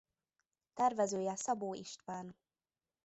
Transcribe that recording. Tervezője Szabó István.